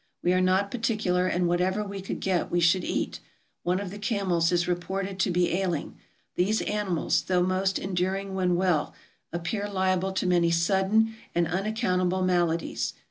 We are not particular, and whatever we could get we should eat. One of the camels is reported to be ailing. These animals, though most en during when well, appear liable to many sudden and un accountable maladies.